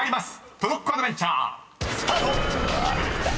トロッコアドベンチャースタート！］